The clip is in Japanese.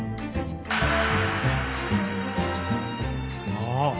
ああ